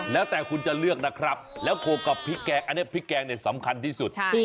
แล้วแต่คุณจะเลือกนะครับแล้วโคกกับพริกแกงอันนี้พริกแกงเนี่ยสำคัญที่สุด